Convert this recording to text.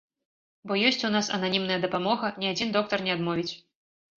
Бо ёсць у нас ананімная дапамога, ні адзін доктар не адмовіць.